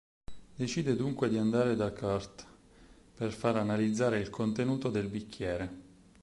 Decide dunque di andare da Kurt, per far analizzare il contenuto del bicchiere.